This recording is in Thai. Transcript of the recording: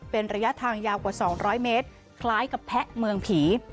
เป็นระยะทางยาวกว่า๒๐๐เมตรคล้ายกับแพะเมืองผี